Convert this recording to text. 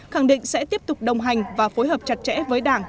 khẳng định sẽ tiếp tục đồng hành và phối hợp chặt chẽ với đảng